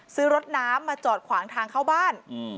ซื้อรถน้ำมาจอดขวางทางเข้าบ้าน